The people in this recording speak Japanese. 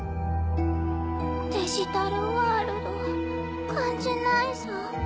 デジタルワールド感じないさ。